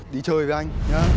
đi chơi với anh nhá